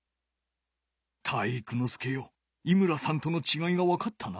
体育ノ介よ井村さんとのちがいがわかったな。